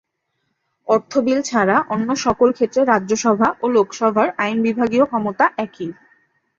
অর্থ বিল ছাড়া অন্য সকল ক্ষেত্রে রাজ্যসভা ও লোকসভার আইনবিভাগীয় ক্ষমতা একই।